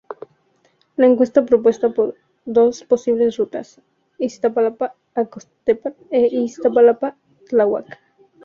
La encuesta propuso dos posibles rutas: Iztapalapa-Acoxpa e Iztapalapa-Tláhuac.